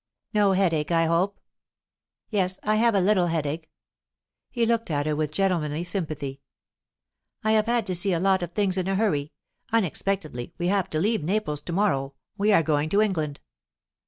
"No headache, I hope?" "Yes, I have a little headache." He looked at her with gentlemanly sympathy. "I have had to see to a lot of things in a hurry. Unexpectedly, we have to leave Naples to morrow; we are going to England."